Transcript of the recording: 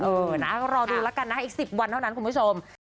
เออนะก็รอดูแล้วกันนะอีก๑๐วันเท่านั้นคุณผู้ชม